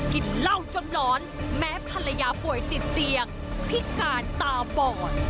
กินเหล้าจนหลอนแม้ภรรยาป่วยติดเตียงพิการตาบอด